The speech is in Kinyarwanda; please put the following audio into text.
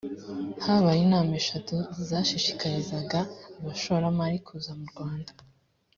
habaye inama eshatu zashishikarizaga abashoramari kuza mu rwanda